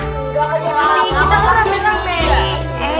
kita tuh rapih rapih